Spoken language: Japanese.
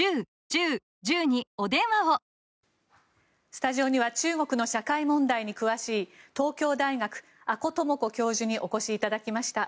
スタジオには中国の社会問題に詳しい東京大学、阿古智子教授にお越しいただきました。